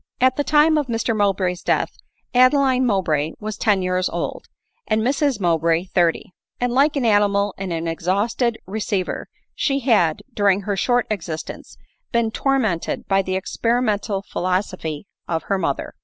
At the time of Mr Mowbray's death, Adeline Mow bray was ten years old, and Mrs Mowbray thirty ; and like an animal in an exhausted receiver, she had, during her short existence, been tormented by the experimental philosophy of her mother.